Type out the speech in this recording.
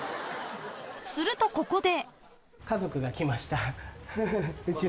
［するとここで］